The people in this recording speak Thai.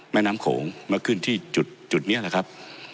แม่น้ำโขงมาขึ้นที่จุดนี้แหละครับ